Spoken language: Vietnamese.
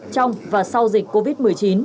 trong và sau dịch covid một mươi chín